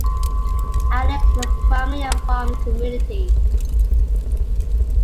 Alex is primarily a farm community.